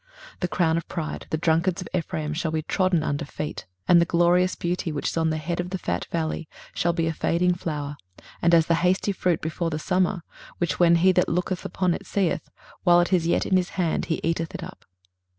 23:028:003 The crown of pride, the drunkards of Ephraim, shall be trodden under feet: 23:028:004 And the glorious beauty, which is on the head of the fat valley, shall be a fading flower, and as the hasty fruit before the summer; which when he that looketh upon it seeth, while it is yet in his hand he eateth it up.